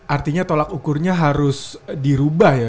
artinya tolak ukurnya harus dirubah ya